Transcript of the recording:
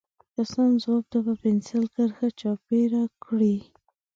له سم ځواب نه په پنسل کرښه چاپېره کړئ.